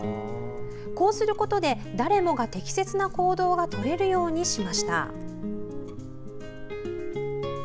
こうすることで誰もが適切な行動が取れるようにしました。